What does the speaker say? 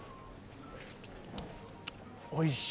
おいしい！